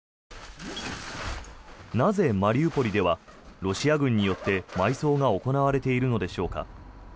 なぜ、マリウポリではロシア軍によって埋葬が行われているのでしょうか。